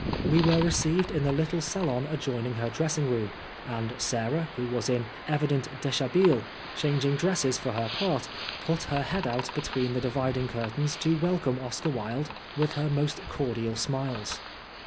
We were received in the little salon adjoining her dressing room ; and Sarah, who was in evident deshabille, changing dresses for her part, put her head out between the dividing curtains to welcome Oscar Wilde with her 67 Oscar Wilde most cordial smiles.